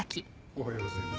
おはようございます。